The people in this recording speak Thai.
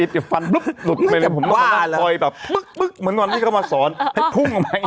ปุ๊บหลุดไปเลยไม่ได้บ้าปล่อยแบบเหมือนวันนี้เขามาสอนให้พุ่งออกไป